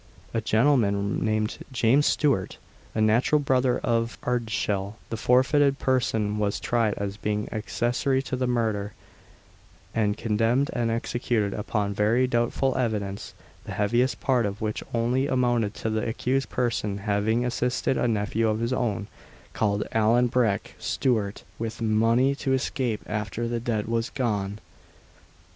A gentleman, named James Stewart, a natural brother of Ardshiel, the forfeited person, was tried as being accessory to the murder, and condemned and executed upon very doubtful evidence; the heaviest part of which only amounted to the accused person having assisted a nephew of his own, called Allan Breck Stewart, with money to escape after the deed was done.